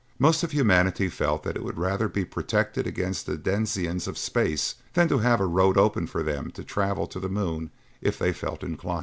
Most of humanity felt that it would rather be protected against the denizens of space than to have a road open for them to travel to the moon if they felt inclined.